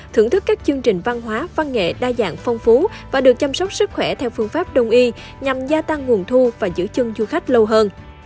thưởng thức các chương trình văn hóa văn nghệ đa dạng phong phú và được chăm sóc sức khỏe theo phương pháp đông y nhằm gia tăng nguồn thu và giữ chân du khách lâu hơn